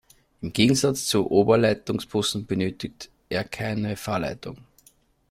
Im Gegensatz zu Oberleitungsbussen benötigt er keine Fahrleitung.